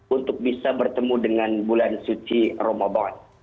untuk bisa bertemu dengan bulan suci ramadan